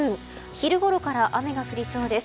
昼頃から雨が降りそうです。